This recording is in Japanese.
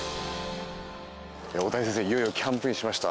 大谷選手、いよいよキャンプインしました。